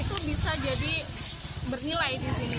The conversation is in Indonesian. itu bisa jadi bernilai disini